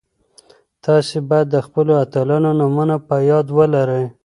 تاسي باید د خپلو اتلانو نومونه په یاد ولرئ.